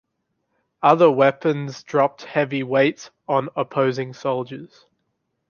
Other weapons dropped heavy weights on opposing soldiers.